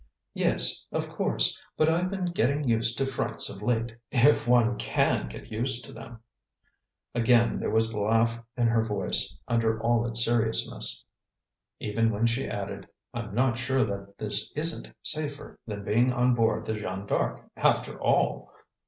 "Yes, of course; but I've been getting used to frights of late, if one can get used to them." Again there was the laugh in her voice, under all its seriousness, even when she added: "I'm not sure that this isn't safer than being on board the Jeanne D'Arc, after all!"